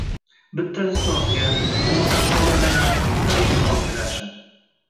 Bittasi so‘ngan, uni ham tozalayman, har ehtimolga qarshi.